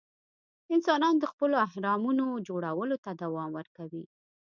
انسانان د خپلو اهرامونو جوړولو ته دوام ورکوي.